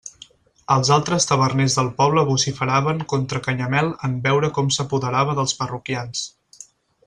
Els altres taverners del poble vociferaven contra Canyamel en veure com s'apoderava dels parroquians.